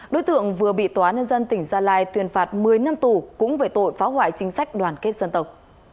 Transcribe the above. đối tượng vừa bị tòa án nhân dân tỉnh gia lai tuyên phạt một mươi năm tù cũng về tội phá hoại chính sách đoàn kết dân tộc